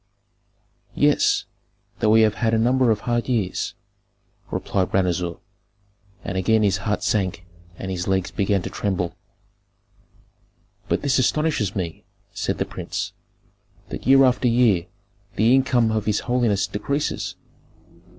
"Yes, though we have had a number of hard years," replied Ranuzer; and again his heart sank and his legs began to tremble. "But this astonishes me," said the prince, "that year after year the income of his holiness decreases.